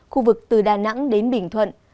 khu vực từ đà nẵng đến bình thuận